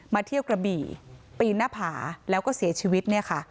มาเที่ยวกระบี่ปีนหน้าผาแล้วก็เสียชีวิต